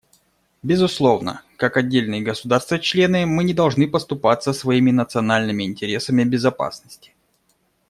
Безусловно, как отдельные государства-члены, мы не должны поступаться своими национальными интересами безопасности.